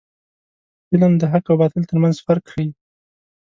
فلم د حق او باطل ترمنځ فرق ښيي